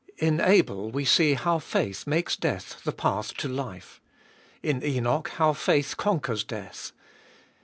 IN Abel we see how faith makes death the path to life. In Enoch, how faith conquers death.